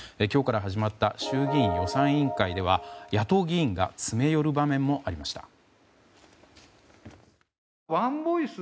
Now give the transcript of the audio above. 今日から始まった衆議院予算委員会では野党議員が詰め寄る場面もありました。